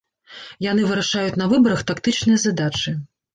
Яны вырашаюць на выбарах тактычныя задачы.